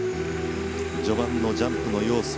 序盤のジャンプの要素